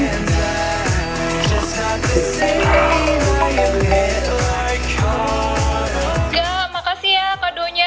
kak makasih ya kodonya